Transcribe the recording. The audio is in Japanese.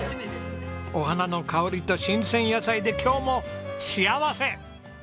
お花の香りと新鮮野菜で今日も幸せ！